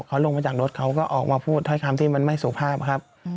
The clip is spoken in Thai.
เขาลงมาจากรถเขาก็ออกมาพูดถ้อยคำที่มันไม่สุภาพครับ